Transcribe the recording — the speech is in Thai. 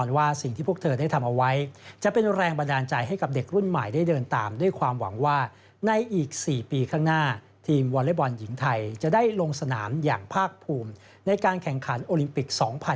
อย่างภาคภูมิในการแข่งขันโอลิมปิก๒๐๒๐